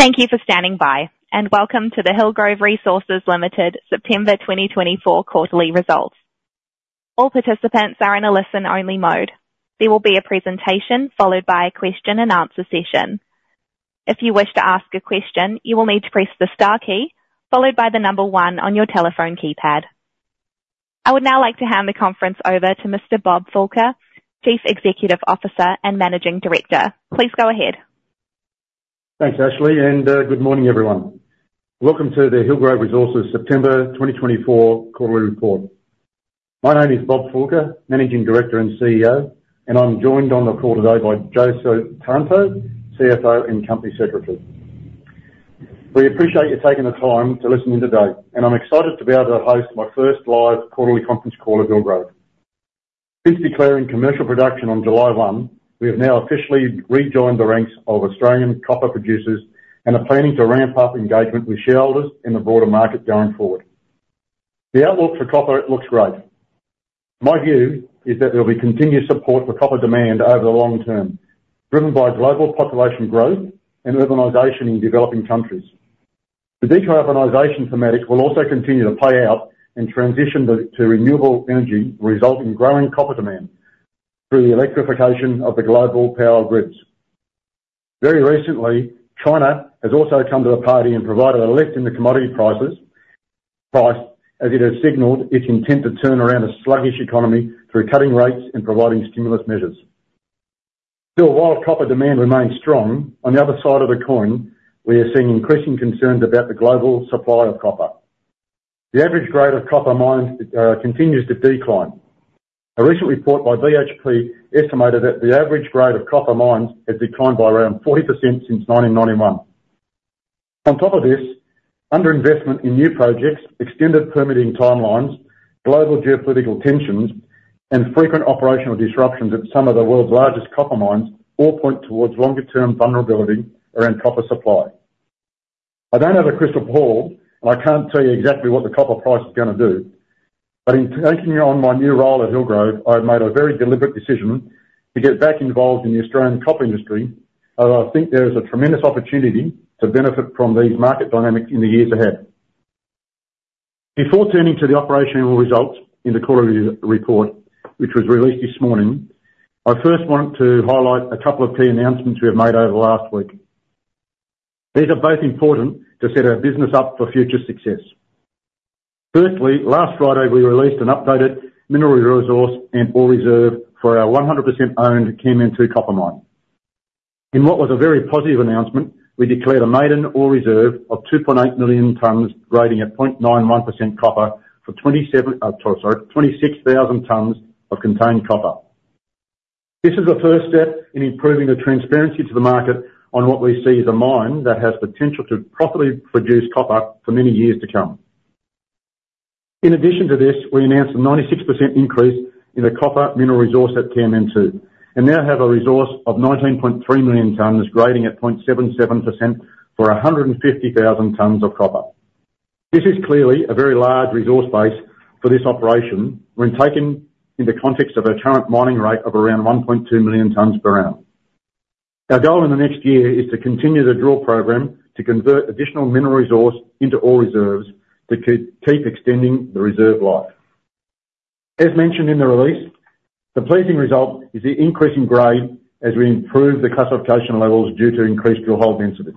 Thank you for standing by, and welcome to the Hillgrove Resources Limited September 2024 quarterly results. All participants are in a listen-only mode. There will be a presentation followed by a question and answer session. If you wish to ask a question, you will need to press the star key, followed by the number one on your telephone keypad. I would now like to hand the conference over to Mr. Bob Fulker, Chief Executive Officer and Managing Director. Please go ahead. Thanks, Ashley, and good morning, everyone. Welcome to the Hillgrove Resources September twenty twenty-four quarterly report. My name is Bob Fulker, Managing Director and CEO, and I'm joined on the call today by Joe Sutanto, CFO and Company Secretary. We appreciate you taking the time to listen in today, and I'm excited to be able to host my first live quarterly conference call at Hillgrove. Since declaring commercial production on July one, we have now officially rejoined the ranks of Australian copper producers and are planning to ramp up engagement with shareholders in the broader market going forward. The outlook for copper looks great. My view is that there will be continuous support for copper demand over the long term, driven by global population growth and urbanization in developing countries. The decarbonization thematic will also continue to play out, and transition to renewable energy will result in growing copper demand through the electrification of the global power grids. Very recently, China has also come to the party and provided a lift in the commodity prices, as it has signaled its intent to turn around a sluggish economy through cutting rates and providing stimulus measures. Still, while copper demand remains strong, on the other side of the coin, we are seeing increasing concerns about the global supply of copper. The average grade of copper mines continues to decline. A recent report by BHP estimated that the average grade of copper mines had declined by around 40% since nineteen ninety-one. On top of this, underinvestment in new projects, extended permitting timelines, global geopolitical tensions, and frequent operational disruptions at some of the world's largest copper mines all point towards longer-term vulnerability around copper supply. I don't have a crystal ball, and I can't tell you exactly what the copper price is gonna do, but in taking on my new role at Hillgrove, I've made a very deliberate decision to get back involved in the Australian copper industry, and I think there is a tremendous opportunity to benefit from these market dynamics in the years ahead. Before turning to the operational results in the quarterly report, which was released this morning, I first want to highlight a couple of key announcements we have made over the last week. These are both important to set our business up for future success. Firstly, last Friday, we released an updated mineral resource and ore reserve for our 100% owned Kanmantoo copper mine. In what was a very positive announcement, we declared a maiden ore reserve of 2.8 million tonnes, grading at 0.91% copper for 26,000 tonnes of contained copper. This is the first step in improving the transparency to the market on what we see as a mine that has potential to properly produce copper for many years to come. In addition to this, we announced a 96% increase in the copper mineral resource at Kanmantoo, and now have a resource of 19.3 million tonnes, grading at 0.77% for 150,000 tonnes of copper. This is clearly a very large resource base for this operation when taken in the context of our current mining rate of around 1.2 million tonnes per annum. Our goal in the next year is to continue the drill program to convert additional Mineral Resource into Ore Reserves to keep extending the reserve life. As mentioned in the release, the pleasing result is the increasing grade as we improve the classification levels due to increased drill hole density.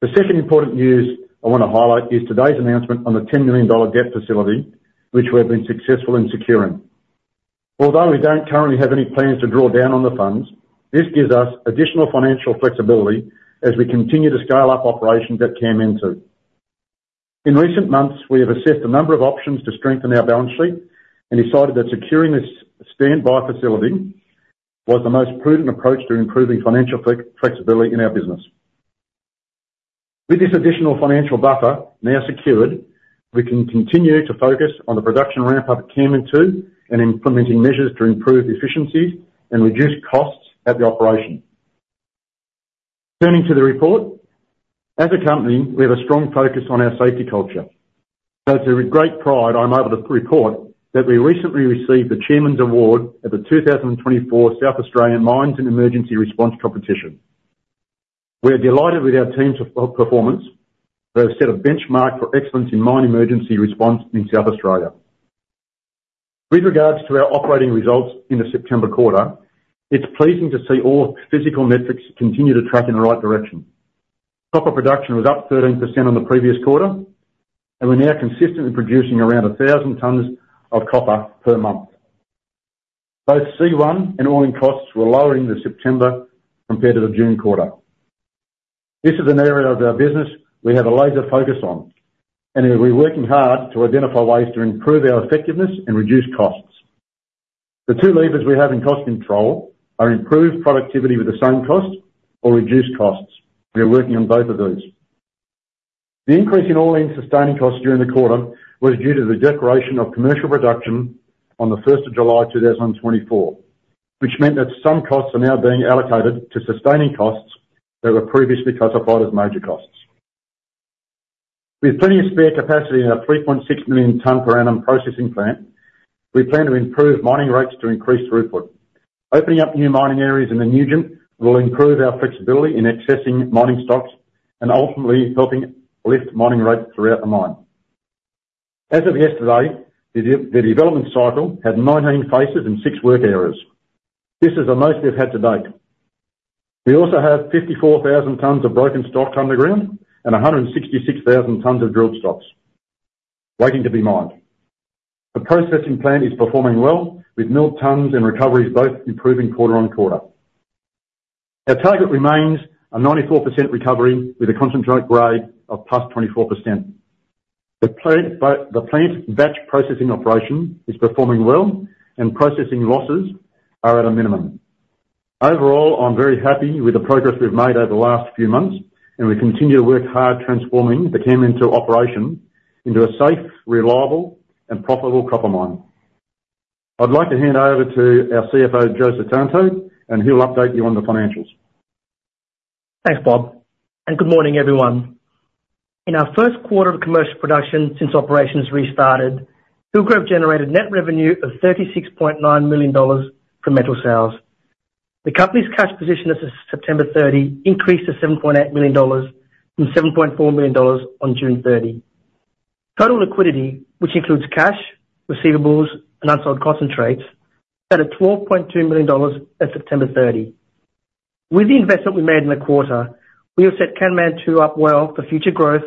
The second important news I want to highlight is today's announcement on the 10 million dollar debt facility, which we've been successful in securing. Although we don't currently have any plans to draw down on the funds, this gives us additional financial flexibility as we continue to scale up operations at Kanmantoo. In recent months, we have assessed a number of options to strengthen our balance sheet and decided that securing this standby facility was the most prudent approach to improving financial flexibility in our business. With this additional financial buffer now secured, we can continue to focus on the production ramp-up at Kanmantoo and implementing measures to improve efficiency and reduce costs at the operation. Turning to the report, as a company, we have a strong focus on our safety culture. So it's with great pride I'm able to report that we recently received the Chairman's Award at the two thousand and twenty-four South Australian Mines and Emergency Response Competition. We are delighted with our team's performance. They have set a benchmark for excellence in mine emergency response in South Australia. With regards to our operating results in the September quarter, it's pleasing to see all physical metrics continue to track in the right direction. Copper production was up 13% on the previous quarter, and we're now consistently producing around 1,000 tonnes of copper per month. Both C1 and all-in costs were lower in the September compared to the June quarter. This is an area of our business we have a laser focus on, and we're working hard to identify ways to improve our effectiveness and reduce costs. The two levers we have in cost control are improved productivity with the same cost or reduced costs. We are working on both of these. The increase in all-in sustaining costs during the quarter was due to the declaration of commercial production on the first of July, two thousand and twenty-four, which meant that some costs are now being allocated to sustaining costs that were previously classified as major costs. With plenty of spare capacity in our 3.6 million ton per annum processing plant, we plan to improve mining rates to increase throughput. Opening up new mining areas in the Nugent will improve our flexibility in accessing mining stocks and ultimately helping lift mining rates throughout the mine. As of yesterday, the development cycle had 19 faces and 6 work areas. This is the most we've had to date. We also have 54,000 tonnes of broken stock underground and 166,000 tonnes of drilled stocks waiting to be mined. The processing plant is performing well, with milled tonnes and recoveries both improving quarter on quarter. Our target remains a 94% recovery with a concentrate grade of plus 24%. The plant, the plant's batch processing operation is performing well, and processing losses are at a minimum. Overall, I'm very happy with the progress we've made over the last few months, and we continue to work hard transforming the Kanmantoo operation into a safe, reliable, and profitable copper mine. I'd like to hand over to our CFO, Joe Sutanto, and he'll update you on the financials. Thanks, Bob, and good morning, everyone. In our first quarter of commercial production since operations restarted, Hillgrove generated net revenue of 36.9 million dollars from metal sales. The company's cash position as of September 30 increased to 7.8 million dollars from 7.4 million dollars on June 30. Total liquidity, which includes cash, receivables, and unsold concentrates, stood at 12.2 million dollars as of September 30. With the investment we made in the quarter, we have set Kanmantoo up well for future growth,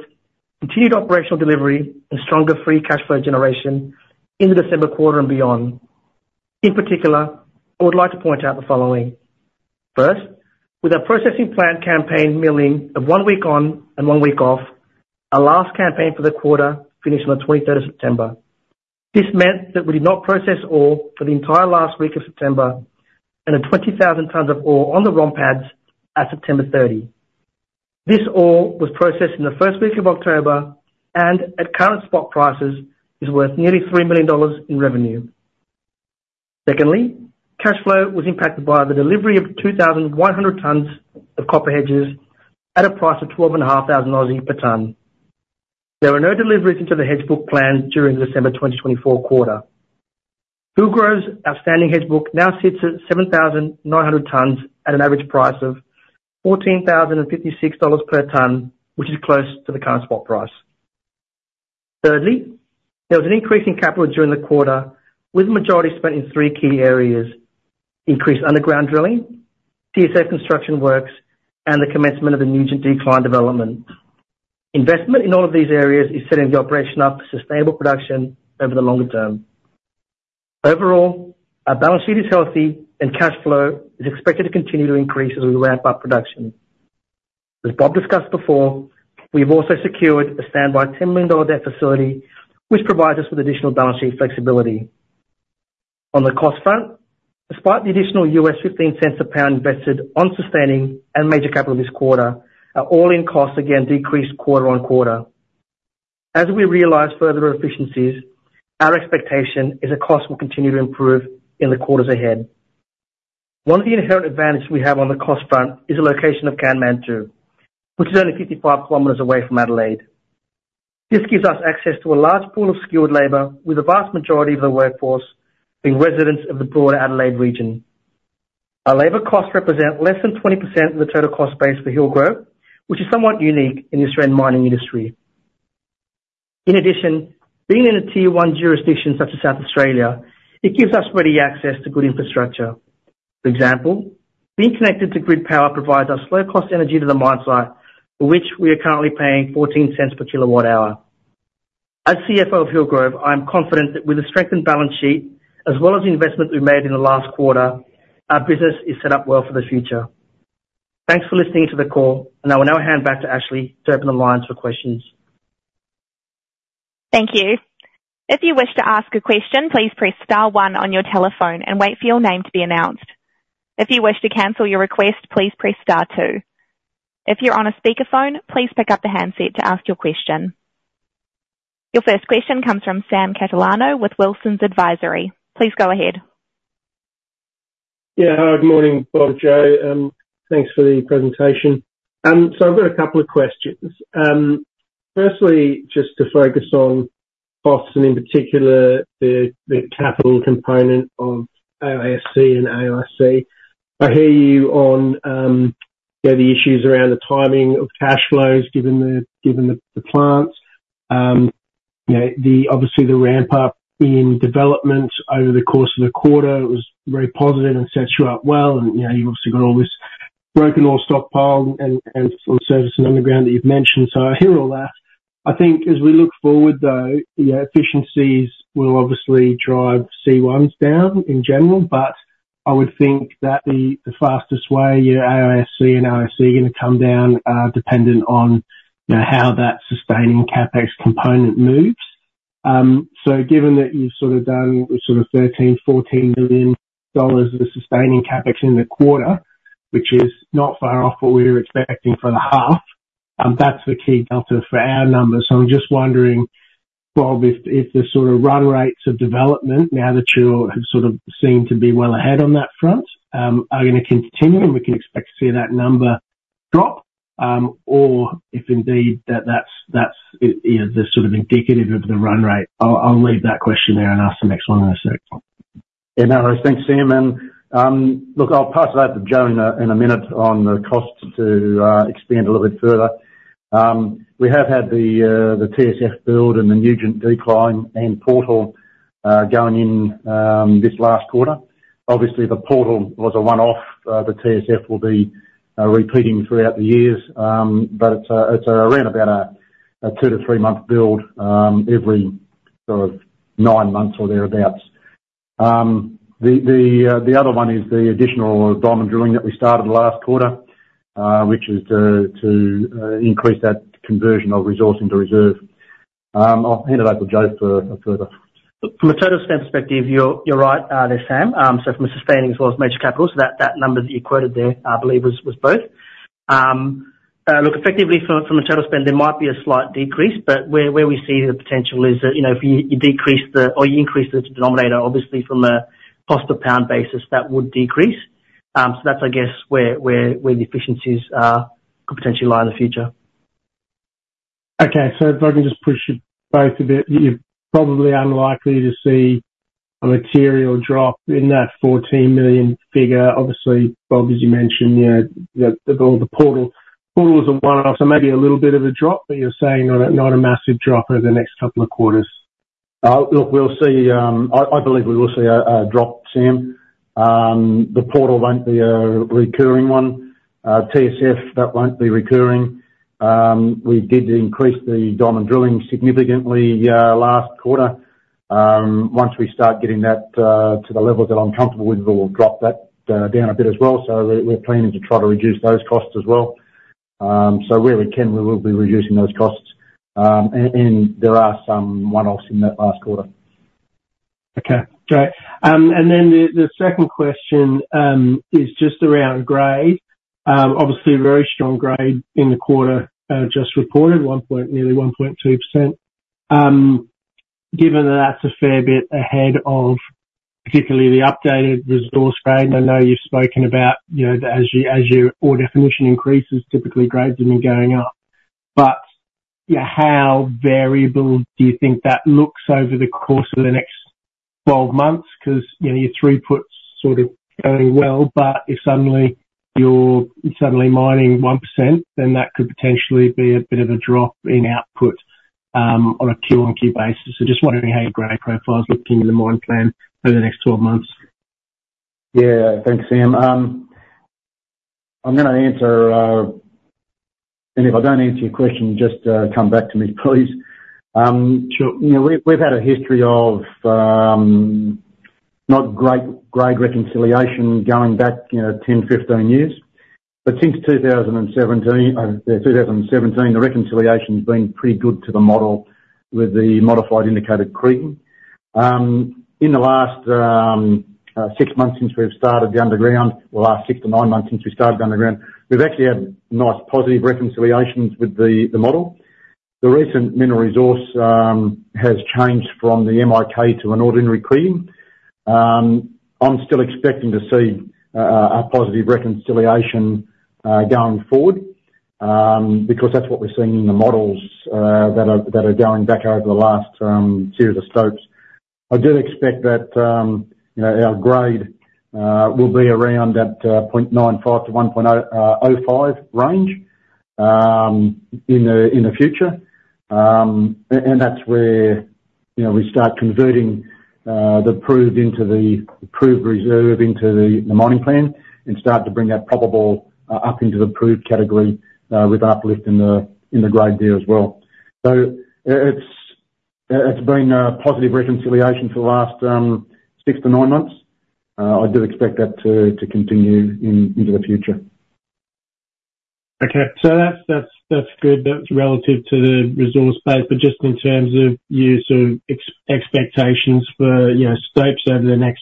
continued operational delivery, and stronger free cash flow generation in the December quarter and beyond. In particular, I would like to point out the following: First, with our processing plant campaign milling of one week on and one week off, our last campaign for the quarter finished on the 23rd of September. This meant that we did not process ore for the entire last week of September and had 20,000 tonnes of ore on the ROM pads at September 30. This ore was processed in the first week of October, and at current spot prices, is worth nearly 3 million dollars in revenue. Secondly, cash flow was impacted by the delivery of 2,100 tonnes of copper hedges at a price of 12,500 per ton. There were no deliveries into the hedge book plan during the December 2024 quarter. Hillgrove's outstanding hedge book now sits at 7,900 tonnes at an average price of 14,056 dollars per ton, which is close to the current spot price. Thirdly, there was an increase in capital during the quarter, with the majority spent in three key areas: increased underground drilling, TSF construction works, and the commencement of the Nugent decline development. Investment in all of these areas is setting the operation up for sustainable production over the longer term. Overall, our balance sheet is healthy, and cash flow is expected to continue to increase as we ramp up production. As Bob discussed before, we've also secured a standby 10 million dollar debt facility, which provides us with additional balance sheet flexibility. On the cost front, despite the additional $0.15 a pound invested on sustaining and major capital this quarter, our all-in costs again decreased quarter on quarter. As we realize further efficiencies, our expectation is that cost will continue to improve in the quarters ahead. One of the inherent advantages we have on the cost front is the location of Kanmantoo, which is only 55 km away from Adelaide. This gives us access to a large pool of skilled labor, with the vast majority of the workforce being residents of the broader Adelaide region. Our labor costs represent less than 20% of the total cost base for Hillgrove, which is somewhat unique in the Australian mining industry. In addition, being in a Tier One jurisdiction such as South Australia, it gives us ready access to good infrastructure. For example, being connected to grid power provides us low-cost energy to the mine site, for which we are currently paying 0.14 per kilowatt hour. As CFO of Hillgrove, I am confident that with a strengthened balance sheet, as well as the investment we've made in the last quarter, our business is set up well for the future. Thanks for listening to the call, and I will now hand back to Ashley to open the lines for questions. Thank you. If you wish to ask a question, please press star one on your telephone and wait for your name to be announced. If you wish to cancel your request, please press star two. If you're on a speakerphone, please pick up the handset to ask your question. Your first question comes from Sam Catalano with Wilsons Advisory. Please go ahead. Yeah. Hi, good morning, Bob, Joe. Thanks for the presentation. So I've got a couple of questions. Firstly, just to focus on costs and in particular, the capital component of AISC and AIC. I hear you on, you know, the issues around the timing of cash flows, given the plants. You know, obviously the ramp up in development over the course of the quarter was very positive and sets you up well, and, you know, you've obviously got all this broken ore stockpile and on the surface and underground that you've mentioned. So I hear all that. I think as we look forward, though, the efficiencies will obviously drive C1s down in general, but I would think that the fastest way your AISC and AIC are going to come down, dependent on, you know, how that sustaining CapEx component moves. So given that you've sort of done sort of $13-$14 million of sustaining CapEx in the quarter, which is not far off what we were expecting for the half, that's the key delta for our numbers. So I'm just wondering, Bob, if the sort of run rates of development, now that you have sort of seem to be well ahead on that front, are going to continue, and we can expect to see that number drop, or if indeed that's, you know, the sort of indicative of the run rate. I'll leave that question there and ask the next one in a sec. Yeah, no, thanks, Sam. Look, I'll pass it over to Joe in a minute on the costs to expand a little bit further. We have had the TSF build and the Nugent decline and portal going in this last quarter. Obviously, the portal was a one-off. The TSF will be repeating throughout the years. But it's around about a two- to three-month build every sort of nine months or thereabouts. The other one is the additional diamond drilling that we started last quarter, which is to increase that conversion of resources to reserves. I'll hand it over to Joe for further. From a total spend perspective, you're right, there, Sam. So from a sustaining as well as major capitals, that number that you quoted there, I believe was both. Look, effectively from a total spend, there might be a slight decrease, but where we see the potential is that, you know, if you decrease the... or you increase the denominator, obviously from a cost-per-pound basis, that would decrease. So that's, I guess where the efficiencies could potentially lie in the future. Okay. So if I can just push you both a bit, you're probably unlikely to see a material drop in that 14 million figure. Obviously, Bob, as you mentioned, you know, the portal is a one-off, so maybe a little bit of a drop, but you're saying not a massive drop over the next couple of quarters. Look, we'll see. I believe we will see a drop, Sam. The portal won't be a recurring one. TSF, that won't be recurring. We did increase the diamond drilling significantly last quarter. Once we start getting that to the level that I'm comfortable with, we'll drop that down a bit as well. So we're planning to try to reduce those costs as well. So where we can, we will be reducing those costs. And there are some one-offs in that last quarter. Okay, great. And then the second question is just around grade. Obviously, very strong grade in the quarter just reported, nearly 1.2%. Given that that's a fair bit ahead of particularly the updated resource grade, I know you've spoken about, you know, as your ore definition increases, typically, grades have been going up. But, yeah, how variable do you think that looks over the course of the next twelve months? Because, you know, your throughput's sort of going well, but if suddenly you're mining 1%, then that could potentially be a bit of a drop in output on a Q-on-Q basis. So just wondering how your grade profile is looking in the mine plan over the next twelve months. Yeah. Thanks, Sam. I'm gonna answer. And if I don't answer your question, just come back to me, please. So, you know, we've had a history of not great grade reconciliation going back, you know, 10, 15 years. But since two thousand and seventeen, yeah, two thousand and seventeen, the reconciliation's been pretty good to the model with the modified indicated Kriging. In the last six months since we've started the underground, the last six to nine months since we started the underground, we've actually had nice positive reconciliations with the model. The recent mineral resource has changed from the MIK to an ordinary Kriging. I'm still expecting to see a positive reconciliation going forward because that's what we're seeing in the models that are going back over the last series of stopes. I do expect that, you know, our grade will be around that point nine five to one point oh oh five range in the future. And that's where, you know, we start converting the proved into the proved reserve into the mining plan, and start to bring that probable up into the proved category with uplift in the grade there as well. So it's been a positive reconciliation for the last six to nine months. I do expect that to continue into the future. Okay. So that's good. That's relative to the resource base, but just in terms of your sort of expectations for, you know, stopes over the next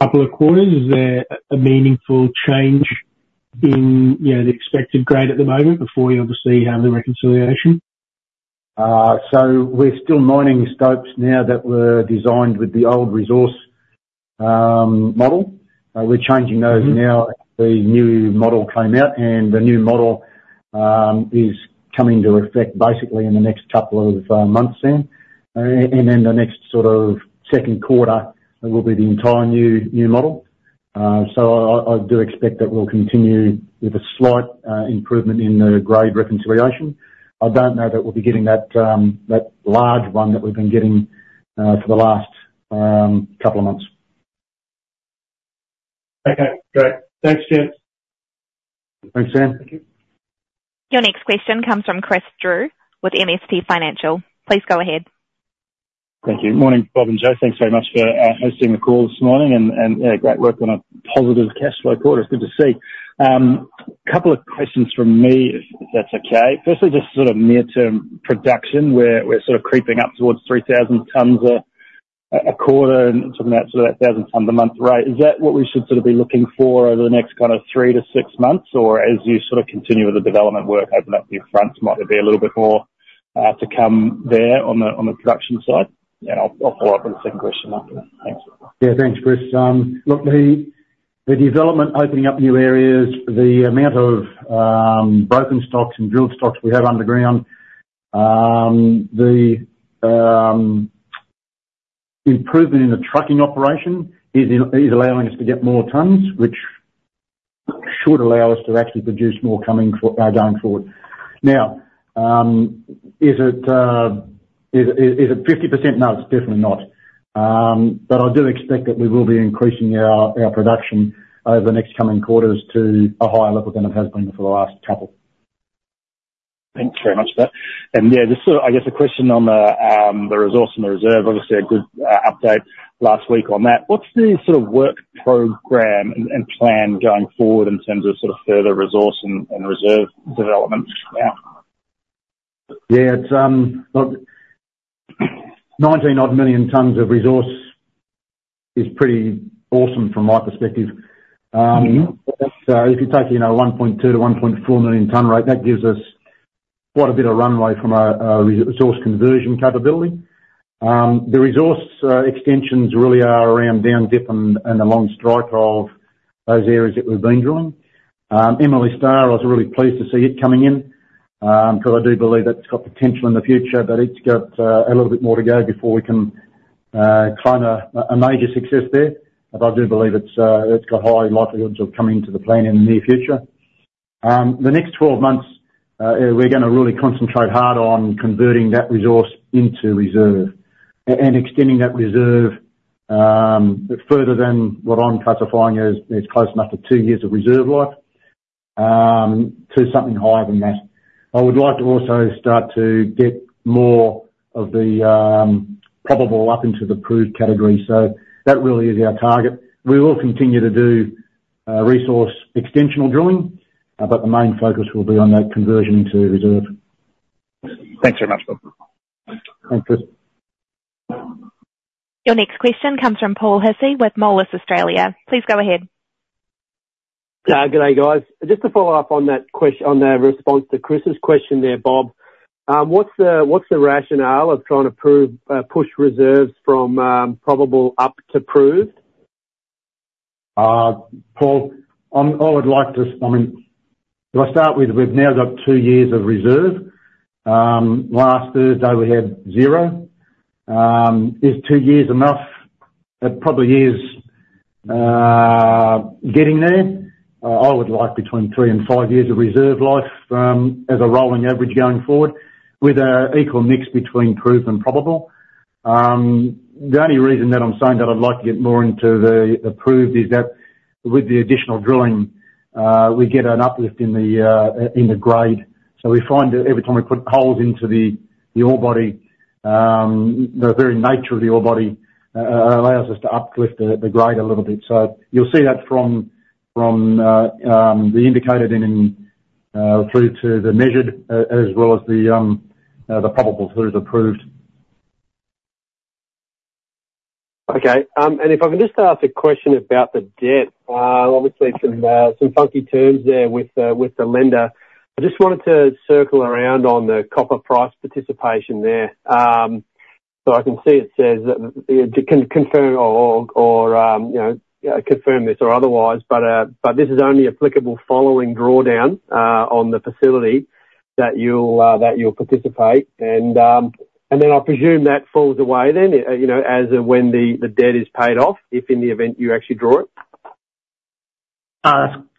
couple of quarters, is there a meaningful change in, you know, the expected grade at the moment before you obviously have the reconciliation? So we're still mining stopes now that were designed with the old resource model. We're changing those now. Mm-hmm. The new model came out, and the new model is coming to effect basically in the next couple of months then. And then the next sort of second quarter will be the entire new model. So I do expect that we'll continue with a slight improvement in the grade reconciliation. I don't know that we'll be getting that large one that we've been getting for the last couple of months. Okay, great. Thanks, gents. Thanks, Sam. Thank you. Your next question comes from Chris Drew with MST Financial. Please go ahead. Thank you. Morning, Bob and Joe. Thanks very much for hosting the call this morning and, you know, great work on a positive cash flow quarter. It's good to see. A couple of questions from me, if that's okay. Firstly, just sort of near-term production, we're sort of creeping up towards three thousand tons a quarter and something that sort of thousand tons a month rate, is that what we should sort of be looking for over the next kind of three to six months? Or as you sort of continue with the development work, open up the faces, might there be a little bit more to come there on the production side? And I'll follow up with a second question after that. Thanks. Yeah. Thanks, Chris. Look, the development opening up new areas, the amount of broken stocks and drilled stocks we have underground, the improvement in the trucking operation is allowing us to get more tons, which should allow us to actually produce more going forward. Now, is it 50%? No, it's definitely not. But I do expect that we will be increasing our production over the next coming quarters to a higher level than it has been for the last couple. Thanks very much for that. Yeah, just sort of, I guess, a question on the resource and the reserve. Obviously, a good update last week on that. What's the sort of work program and plan going forward in terms of sort of further resource and reserve development now? Yeah, it's, look, nineteen odd million tons of resource is pretty awesome from my perspective. Mm-hmm. If you take, you know, 1.2 to 1.4 million ton rate, that gives us quite a bit of runway from a resource conversion capability. The resource extensions really are around down dip and along strike of those areas that we've been drilling. Emily Star, I was really pleased to see it coming in, because I do believe that's got potential in the future, but it's got a little bit more to go before we can claim a major success there. But I do believe it's got high likelihoods of coming to the plan in the near future. The next twelve months, we're gonna really concentrate hard on converting that resource into reserve and extending that reserve further than what I'm classifying as close enough to two years of reserve life to something higher than that. I would like to also start to get more of the probable up into the proved category, so that really is our target. We will continue to do resource extensional drilling, but the main focus will be on that conversion into reserve. Thanks very much, Bob. Thanks, Chris. Your next question comes from Paul Hissey with Moelis Australia. Please go ahead. Good day, guys. Just to follow up on that on the response to Chris's question there, Bob. What's the rationale of trying to prove push reserves from probable up to proved? Paul, I mean, if I start with, we've now got two years of reserve. Last Thursday, we had zero. Is two years enough? It probably is, getting there. I would like between three and five years of reserve life, as a rolling average going forward, with an equal mix between proved and probable. The only reason that I'm saying that I'd like to get more into the, the proved is that with the additional drilling, we get an uplift in the, in the grade. So we find that every time we put holes into the, the ore body, the very nature of the ore body, allows us to uplift the, the grade a little bit. You'll see that from the Indicated through to the Measured, as well as the Probables through to the Proved. Okay, and if I can just ask a question about the debt. Obviously some funky terms there with the lender. I just wanted to circle around on the copper price participation there. So I can see it says that, to confirm or, you know, confirm this or otherwise, but, but this is only applicable following drawdown on the facility that you'll participate. And, and then I presume that falls away then, you know, as of when the debt is paid off, if in the event you actually draw it?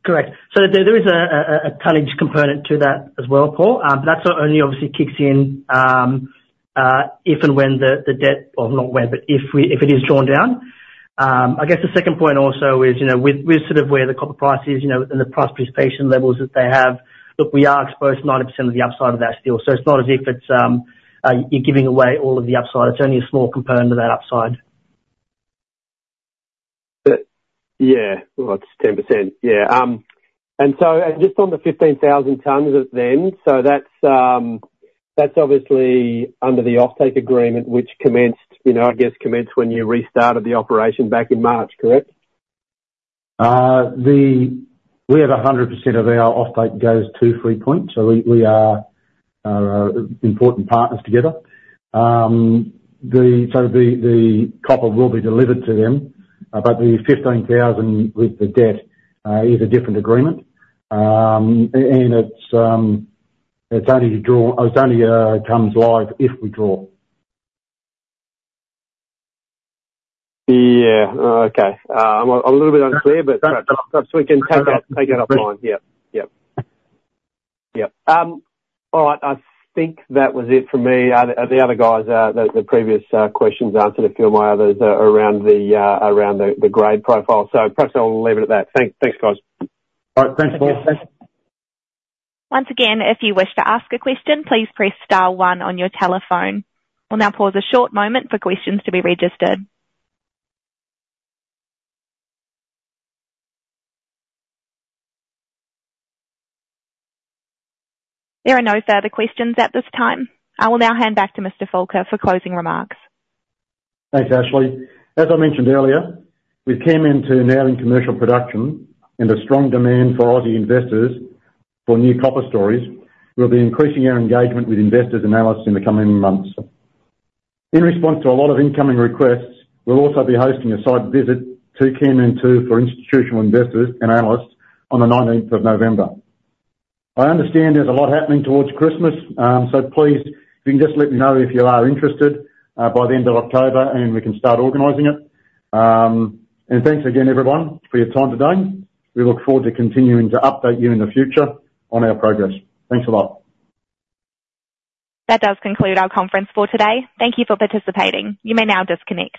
Correct. So there is a tonnage component to that as well, Paul. That's what only obviously kicks in if and when the debt... Well, not when, but if it is drawn down. I guess the second point also is, you know, with sort of where the copper price is, you know, and the price participation levels that they have. Look, we are exposed to 90% of the upside of that still. So it's not as if you're giving away all of the upside. It's only a small component of that upside. But yeah, well, it's 10%. Yeah. And so, and just on the 15,000 tons of them, so that's, that's obviously under the offtake agreement, which commenced, you know, I guess commenced when you restarted the operation back in March, correct? We have 100% of our offtake goes to Freepoint Commodities, so we are important partners together. The copper will be delivered to them, but the 15,000 with the debt is a different agreement. And it's only to draw. It only comes live if we draw. Yeah. Okay. I'm a little bit unclear, but perhaps we can take that, take that offline. Yep. Yep. Yep. All right. I think that was it for me. The other guys, the previous questions answered a few of my others around the grade profile, so perhaps I'll leave it at that. Thanks. Thanks, guys. All right. Thanks, Paul. Once again, if you wish to ask a question, please press star one on your telephone. We'll now pause a short moment for questions to be registered. There are no further questions at this time. I will now hand back to Mr. Fulker for closing remarks. Thanks, Ashley. As I mentioned earlier, with Kanmantoo now in commercial production and a strong demand for Aussie investors for new copper stories, we'll be increasing our engagement with investors and analysts in the coming months. In response to a lot of incoming requests, we'll also be hosting a site visit to Kanmantoo for institutional investors and analysts on the nineteenth of November. I understand there's a lot happening toward Christmas, so please, if you can just let me know if you are interested, by the end of October, and we can start organizing it, and thanks again, everyone, for your time today. We look forward to continuing to update you in the future on our progress. Thanks a lot. That does conclude our conference for today. Thank you for participating. You may now disconnect.